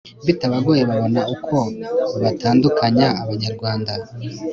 bitabagoye babona uko batandukanya abanyarwanda